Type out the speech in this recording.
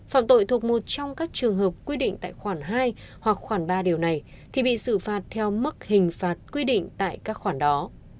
phạm tội thuộc một trong các trường hợp quy định tại khoản hai hoặc khoản ba điều này thì bị xử phạt theo mức hình phạt quy định tại các khoản đó